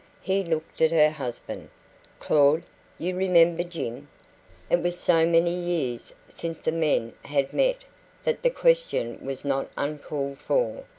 He looked at her husband. "Claud, you remember Jim?" It was so many years since the men had met that the question was not uncalled for.